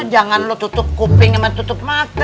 jangan lo tutup kuping sama tutup mata